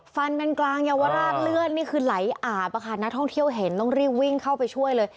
ฟันกันกลางเยาวราชเลือดนี่คือไหลอาบอะค่ะนักท่องเที่ยวเห็นต้องรีบวิ่งเข้าไปช่วยเลย